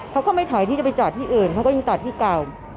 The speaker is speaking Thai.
เขาก็ไม่ถอยที่จะไปจอดที่อื่นเขาก็ยังจอดที่เก่า